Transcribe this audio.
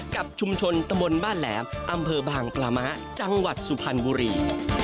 กับชุมชนตะบนบ้านแหลมอำเภอบางปลามะจังหวัดสุพรรณบุรี